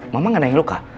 mama gak ada yang luka